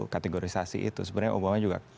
kategorisasi itu sebenarnya obama juga